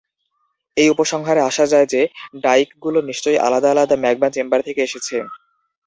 এই উপসংহারে আসা যায় যে, ডাইকগুলো নিশ্চয়ই আলাদা আলাদা ম্যাগমা চেম্বার থেকে এসেছে।